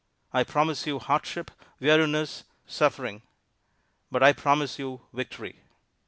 I promise you hardship, weariness, suffering; but I promise you victory."